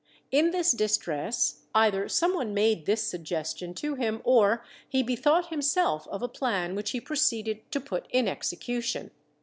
In this distress either someone made this suggestion to him, or he bethought himself of a plan which he proceeded to put in execution.